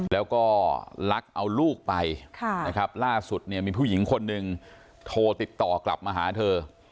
แล้วก็ลักเอาลูกไปนะครับล่าสุดเนี่ยมีผู้หญิงคนหนึ่งโทรติดต่อกลับมาหาเธอ